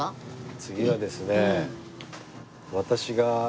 次はですね。